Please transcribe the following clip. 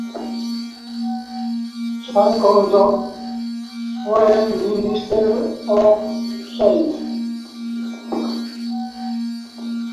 Sam Condor, Foreign Minister of St.